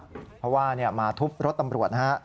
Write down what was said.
เพราะว่ามาทุบรถตำรวจนะฮะ